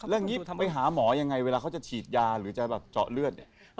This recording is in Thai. แล้วงี้ไหมหามอย่างไงเวลาเค้าจะฉีดยาหรือจะแบบเจาะเลือดเนี่ย